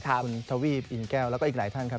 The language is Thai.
คุณทวีปอินแก้วแล้วก็อีกหลายท่านครับ